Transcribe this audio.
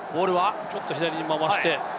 ちょっと左に回して。